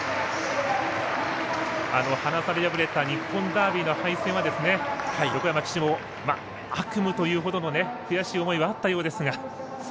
ハナ差で敗れた日本ダービーの敗戦は横山騎手も悪夢というほどの悔しい思いはあったようですが。